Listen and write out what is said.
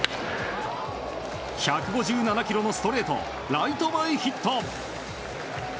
１５７キロのストレートをライト前ヒット。